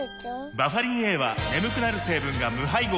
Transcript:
バファリンＡは眠くなる成分が無配合なんです